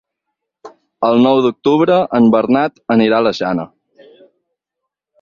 El nou d'octubre en Bernat anirà a la Jana.